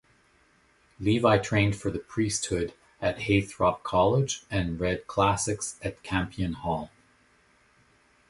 Levi trained for the priesthood at Heythrop College and read Classics at Campion Hall.